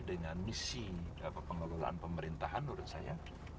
dengan misi pengelolaan pemerintahan menurut saya